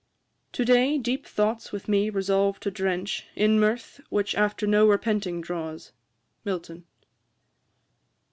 'To day deep thoughts with me resolve to drench In mirth, which after no repenting draws.' MILTON.